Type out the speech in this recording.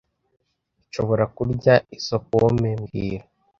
Nshobora kurya izoi pome mbwira